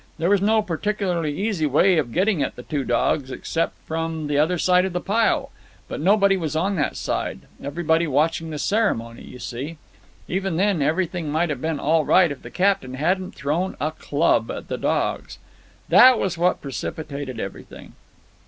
"There was no particularly easy way of getting at the two dogs, except from the other side of the pile. But nobody was on that side—everybody watching the ceremony, you see. Even then everything might have been all right if the captain hadn't thrown a club at the dogs. That was what precipitated everything.